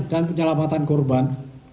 dan penyelamatan korban